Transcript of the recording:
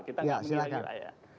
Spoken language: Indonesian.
kita gak mengira ngira ya